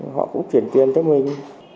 họ cũng chuyển tiền cho mình